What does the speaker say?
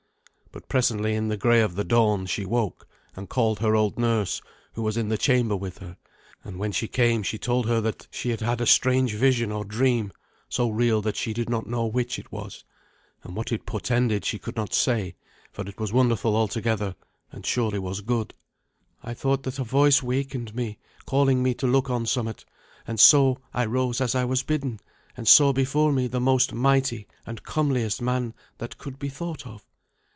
But presently, in the grey of the dawn, she woke, and called her old nurse, who was in the chamber with her; and when she came she told her that she had had a strange vision or dream, so real that she did not know which it was. And what it portended she could not say, for it was wonderful altogether, and surely was good. "I thought that a voice wakened me, calling me to look on somewhat; and so I rose as I was bidden, and saw before me the most mighty and comeliest man that could be thought of.